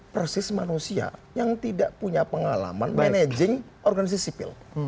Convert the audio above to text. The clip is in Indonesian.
persis manusia yang tidak punya pengalaman managing organisasi sipil